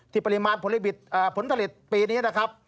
ที่ปริมาณผลบิดผลจริตปีนี้